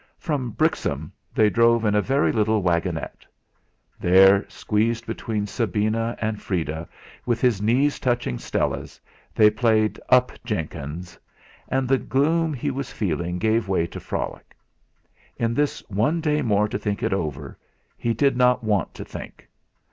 From Brixham they drove in a very little wagonette. There, squeezed between Sabina and Freda, with his knees touching Stella's, they played "Up, Jenkins "; and the gloom he was feeling gave way to frolic. In this one day more to think it over, he did not want to think!